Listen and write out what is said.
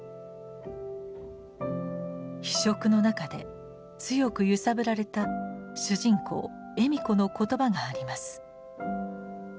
「非色」の中で強く揺さぶられた主人公笑子の言葉があります。